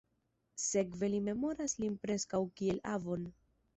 Sekve li memoras lin preskaŭ kiel avon.